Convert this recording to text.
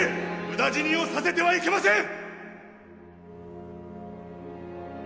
無駄死にをさせてはいけません！